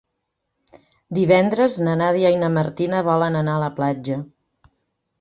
Divendres na Nàdia i na Martina volen anar a la platja.